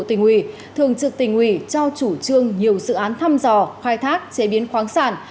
tỉnh ủy thường trực tỉnh ủy cho chủ trương nhiều dự án thăm dò khai thác chế biến khoáng sản